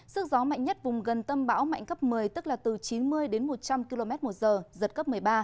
sức gió mạnh nhất vùng gần tâm bão mạnh cấp một mươi tức là từ chín mươi đến một trăm linh km một giờ giật cấp một mươi ba